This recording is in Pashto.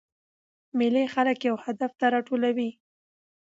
مېلې خلک یو هدف ته راټولوي.